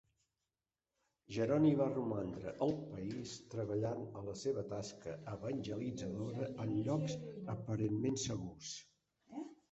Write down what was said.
Jeroni va romandre al país treballant a la seva tasca evangelitzadora en llocs aparentment segurs.